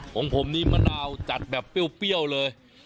ของผมนี่มะนาวจัดแบบเปรี้ยวเลย